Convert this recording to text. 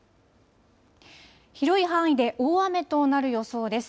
広い範囲で大雨となる予想です。